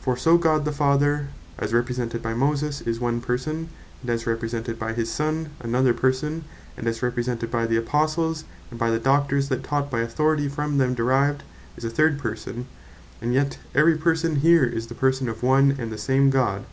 For so God the Father, as Represented by Moses, is one Person; and as Represented by his Sonne, another Person, and as Represented by the Apostles, and by the Doctors that taught by authority from them derived, is a third Person; and yet every Person here, is the Person of one and the same God.